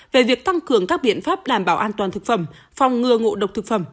về việc tăng cường các biện pháp đảm bảo an toàn thực phẩm phòng ngừa ngộ độc thực phẩm